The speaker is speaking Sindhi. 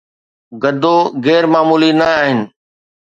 گدو غير معمولي نه آهن